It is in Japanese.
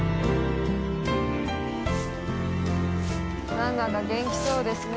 なんだか元気そうですね